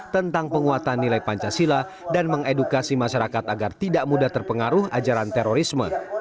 tentang penguatan nilai pancasila dan mengedukasi masyarakat agar tidak mudah terpengaruh ajaran terorisme